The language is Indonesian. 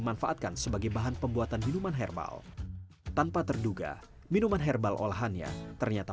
dimanfaatkan sebagai bahan pembuatan minuman herbal tanpa terduga minuman herbal olahannya ternyata